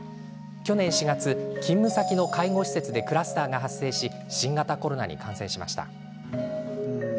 去年４月勤務先の介護施設でクラスターが発生し新型コロナに感染しました。